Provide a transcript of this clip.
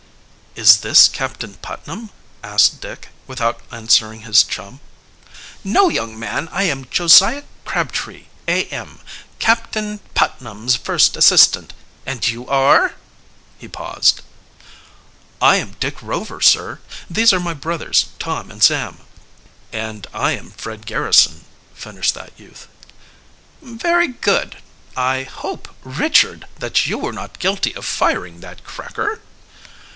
"Is this Captain Putnam?" asked Dick, without answering his chum. "No, young man; I am Josiah Crabtree, A. M., Captain Putnam's first assistant. And you are " He paused. "I am Dick Rover, sir. These are my brothers, Tom and Sam." "And I am Fred Garrison," finished that youth. "Very good. I hope, Richard, that you were not guilty of firing that cracker?"